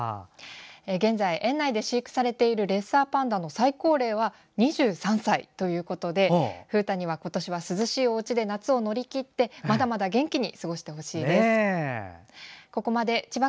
現在、園内で飼育されているレッサーパンダの最高齢は２３歳ということで風太には今年は涼しいおうちで夏を乗り切ってまだまだ元気に過ごしてほしいです。